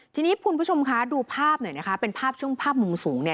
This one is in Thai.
ทีนี้คุณผู้ชมคะดูภาพหน่อยนะคะเป็นภาพช่วงภาพมุมสูงเนี่ย